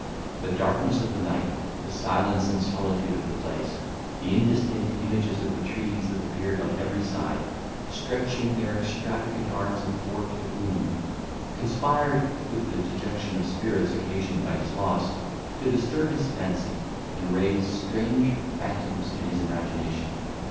The darkness of the night, the silence and solitude of the place, the indistinct images of the trees that appeared on every side, "stretching their extravagant arms athwart the gloom," conspired, with the dejection of spirits occasioned by his loss, to disturb his fancy, and raise strange phantoms in his imagination.